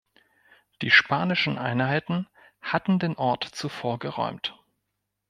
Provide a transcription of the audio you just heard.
Die spanischen Einheiten hatten den Ort zuvor geräumt.